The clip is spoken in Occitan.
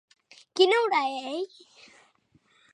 Quina ora ei?